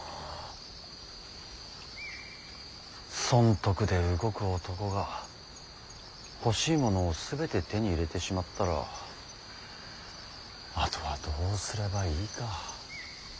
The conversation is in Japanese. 損得で動く男が欲しいものを全て手に入れてしまったらあとはどうすればいいか。